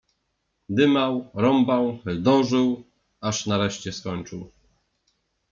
Dymał, rąbał, chędożył, aż nareszcie skończył.